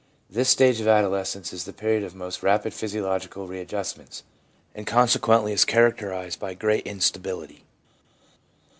This stage of adolescence is the period of most rapid physiological readjustments, and conse quently is characterised by great instability.